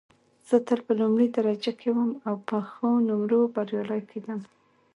زه تل په لومړۍ درجه کې وم او په ښو نومرو بریالۍ کېدم